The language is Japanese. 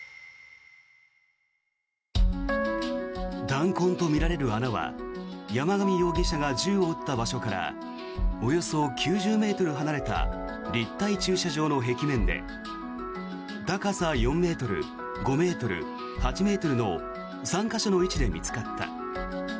弾痕とみられる穴は山上容疑者が銃を撃った場所からおよそ９０ｍ離れた立体駐車場の壁面で高さ４ｍ、５ｍ、８ｍの３か所の位置で見つかった。